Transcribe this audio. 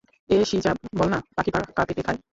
এ শীজা, বল না, পাখি পাকা পেঁপে খায়।